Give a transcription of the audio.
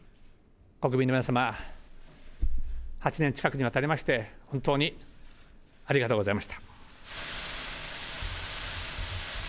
国民の皆様、８年近くにわたりまして、本当にありがとうございました。